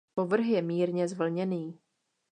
Povrch je mírně zvlněný.